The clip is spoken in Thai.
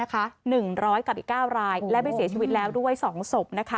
๑๐๐กับอีก๙รายและไปเสียชีวิตแล้วด้วย๒ศพ